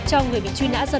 cho người bị truy nã dần